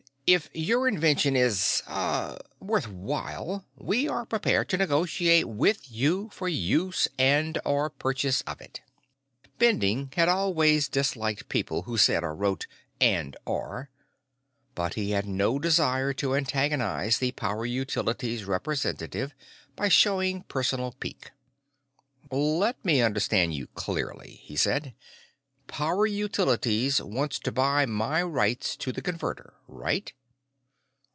"If your invention is ... ah ... worth while, we are prepared to negotiate with you for use and/or purchase of it." Bending had always disliked people who said or wrote "and/or," but he had no desire to antagonize the Power Utilities representative by showing personal pique. "Let me understand you clearly," he said. "Power Utilities wants to buy my rights to the Converter. Right?"